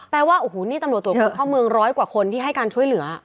ว่าโอ้โหนี่ตำรวจตรวจคนเข้าเมืองร้อยกว่าคนที่ให้การช่วยเหลือ